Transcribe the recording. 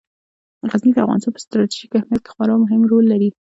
غزني د افغانستان په ستراتیژیک اهمیت کې خورا مهم رول لري.